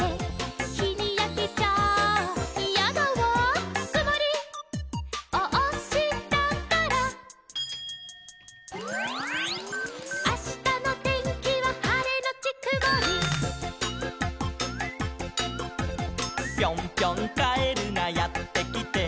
「『ひにやけちゃイヤだわ』」「くもりをおしたから」「あしたのてんきははれのちくもり」「ぴょんぴょんカエルがやってきて」